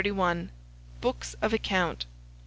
BOOKS OF ACCOUNT.